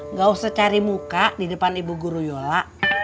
nggak usah cari muka di depan ibu guruyola